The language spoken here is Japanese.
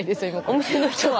お店の人は？